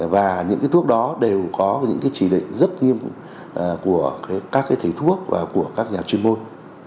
và những thuốc đó đều có những chỉ định rất nghiêm của các thầy thuốc của các nhà chuyên môn